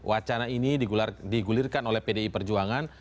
wacana ini digulirkan oleh pdi perjuangan